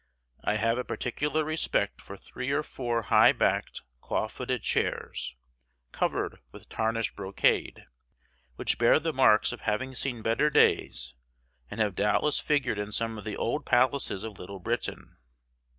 I have a particular respect for three or four high backed, claw footed chairs, covered with tarnished brocade, which bear the marks of having seen better days, and have doubtless figured in some of the old palaces of Little Britain.